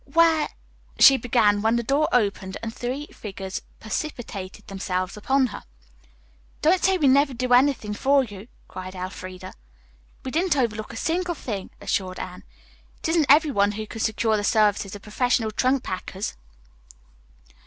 "Where " she began, when the door opened and three figures precipitated themselves upon her. "Don't say we never did anything for you," cried Elfreda. "We didn't overlook a single thing," assured Anne. "It isn't every one who can secure the services of professional trunk packers."